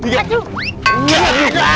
satu dua tiga